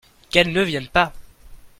Qu'elles ne viennent pas